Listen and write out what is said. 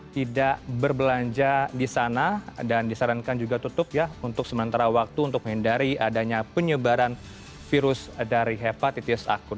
tidak berbelanja di sana dan disarankan juga tutup ya untuk sementara waktu untuk menghindari adanya penyebaran virus dari hepatitis akut